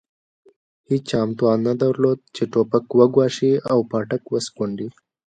هېچا هم توان نه درلود چې توپک وګواښي او پاټک وسکونډي.